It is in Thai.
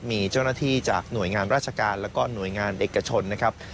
มีเจ้าหน้าที่จากหน่วยงานราชการแล้วก็หน่วยงานเอกชนนะครับ